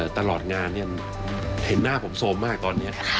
ตลอดงานเห็นหน้าผมโซมมากตอนนี้